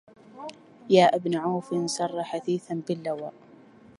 يا ابن عوف سر حثيثا باللواء